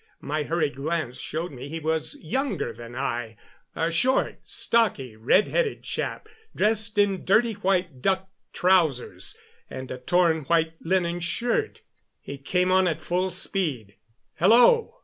My hurried glance showed me he was younger than I a short, stocky, red headed chap, dressed in dirty white duck trousers and a torn white linen shirt. He came on at full speed. "Hello!"